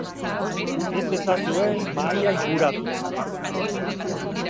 Ez ezazue mahaia inguratu.